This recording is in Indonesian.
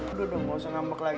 udah udah gak usah ngambek lagi